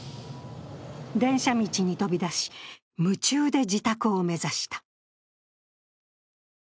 電車道に飛び出し、夢中で自宅を目指した。